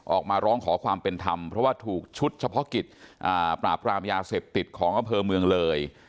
ออกมาร้องขอความเป็นธรรมเพราะว่าถูกชุดเฉพาะกิจปราบรามยาเสพติดของอำเภอเมืองเลย